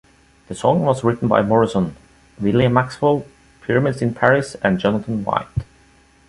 The song was written by Morrison, William Maxwell, Pyramids in Paris, and Jonathan White.